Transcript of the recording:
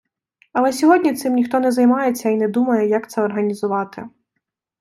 Але сьогодні цим ніхто не займається і не думає, як це організувати.